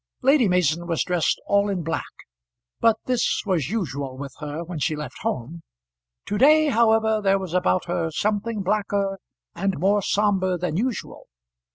Lady Mason was dressed all in black, but this was usual with her when she left home. To day, however, there was about her something blacker and more sombre than usual.